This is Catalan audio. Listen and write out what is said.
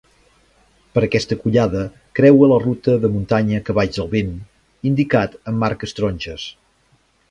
Per aquesta collada creua la ruta de muntanya Cavalls del vent, indicat amb marques taronges.